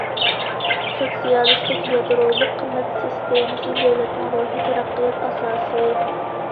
سوتسىيالىستىك يادرولۇق قىممەت سىستېمىسى دۆلەتنىڭ روھى، تەرەققىيات ئاساسى.